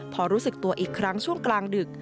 พอรู้สึกตัวอีกครั้งช่วงกลางดึก